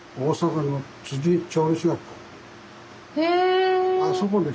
へえ。